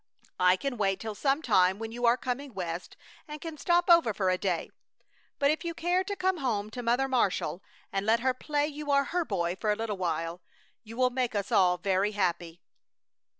I can wait till some time when you are coming West and can stop over for a day. But if you care to come home to Mother Marshall and let her play you are her boy for a little while, you will make us all very happy.